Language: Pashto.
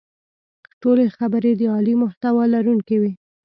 ټولې خبرې د عالي محتوا لرونکې وې.